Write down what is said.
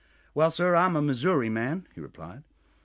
"Well, sir, I'm a Missouri man," he replied.